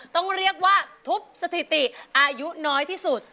ต้องเรียกว่าทุบสถิติอายุน้อยที่สุด